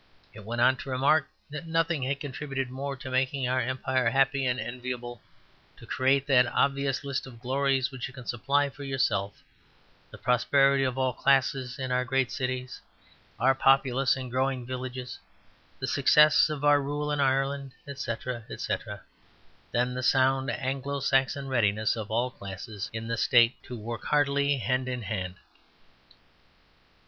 It went on to remark that nothing had contributed more to make our Empire happy and enviable, to create that obvious list of glories which you can supply for yourself, the prosperity of all classes in our great cities, our populous and growing villages, the success of our rule in Ireland, etc., etc., than the sound Anglo Saxon readiness of all classes in the State "to work heartily hand in hand."